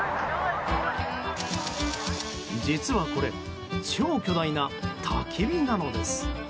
実は、これ超巨大なたき火なのです。